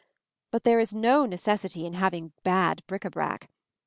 But there is no necessity for having bad bric à brac.